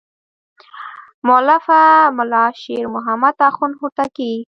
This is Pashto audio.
مؤلفه ملا شیر محمد اخوند هوتکی.